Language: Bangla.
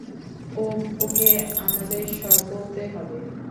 ওম ওকে আমাদের সব বলতে হবে।